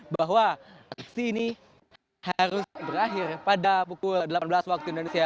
bahwa aksi ini harus berakhir pada pukul delapan belas waktu indonesia